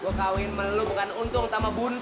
gua kawin sama lu bukan untung sama buntung dong